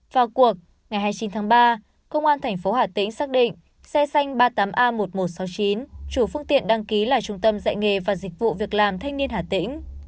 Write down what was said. vào cuộc ngày hai mươi chín tháng ba công an thành phố hà tĩnh xác định xe xanh ba mươi tám a một một sáu chín chủ phương tiện đăng ký là trung tâm dạy nghề và dịch vụ việc làm thanh niên hà tĩnh